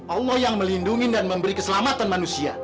allah yang melindungi dan memberi keselamatan manusia